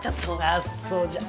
ああそうじゃあ